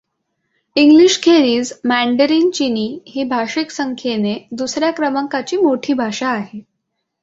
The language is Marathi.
इंग्लिशखेरीज मँडरिन चिनी ही भाषिकसंख्येने दुसर् या क्रमांकाची मोठी भाषा आहे.